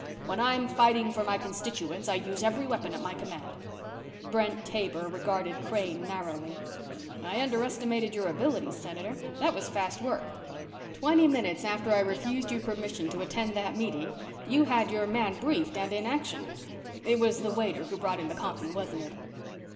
When I'm fighting for my constituents I use every weapon at my command." Brent Taber regarded Crane narrowly. "I underestimated your abilities, Senator. That was fast work. Twenty minutes after I refused you permission to attend that meeting, you had your man briefed and in action. It was the waiter who brought in the coffee, wasn't it?"